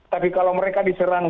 tapi kalau mereka diserang